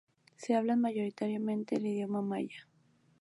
Se habla mayoritariamente el idioma maya.